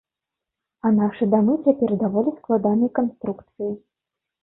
А нашы дамы цяпер даволі складанай канструкцыі.